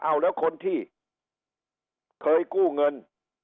เอาแล้วคนที่เคยกู้เงิน